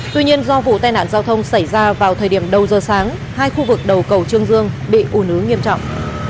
tuy nhiên do vụ tai nạn giao thông xảy ra vào thời điểm đầu giờ sáng hai khu vực đầu cầu trương dương bị ủ nứ nghiêm trọng